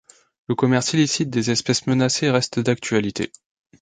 Le commerce illicite des espèces menacées reste d'actualité.